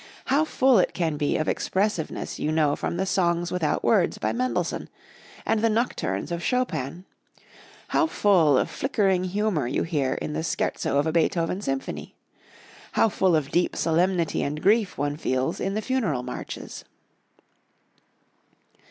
How full it can be of expressiveness you know from the Songs without Words by Mendelssohn, and the Nocturnes of Chopin; how full of flickering humor you hear in the Scherzo of a Beethoven symphony; how full of deep solemnity and grief one feels in the funeral marches.